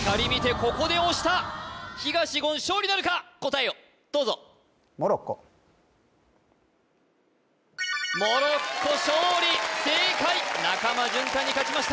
ここで押した東言勝利なるか答えをどうぞモロッコ勝利正解中間淳太に勝ちました